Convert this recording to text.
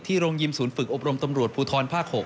โรงยิมศูนย์ฝึกอบรมตำรวจภูทรภาค๖